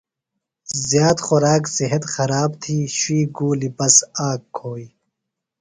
زیات خوراک صِحت خراب تھی۔ شُوئیۡ گُولیۡ بس آک کھوئیۡ۔